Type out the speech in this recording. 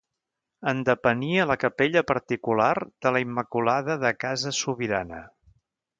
En depenia la capella particular de la Immaculada de Casa Sobirana.